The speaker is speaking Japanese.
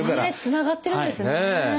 つながってるんですね。